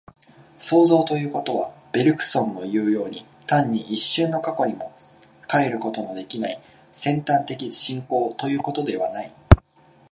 創造ということは、ベルグソンのいうように、単に一瞬の過去にも還ることのできない尖端的進行ということではない。